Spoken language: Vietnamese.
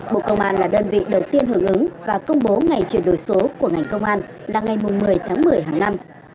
bộ công an là đơn vị đầu tiên hưởng ứng và công bố ngày chuyển đổi số của ngành công an là ngày một mươi tháng một mươi hàng năm